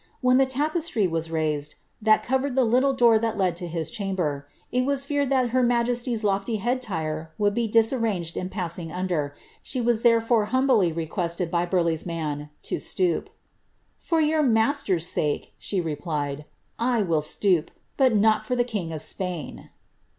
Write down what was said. Wlien ihe tape raised, thai covered the liltle doc ir ihai led lo his chamber, it w that her majesty's lofty head tire would be disarranged in passir and she was iherefore humbly requested by Burleigh's man to :" For your master's sake," she replied, " I will stoop, but no king of Spain."